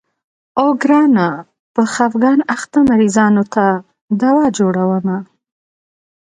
اوو ګرانه په خفګان اخته مريضانو ته دوا جوړومه.